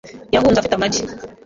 Yahunze afite amagi .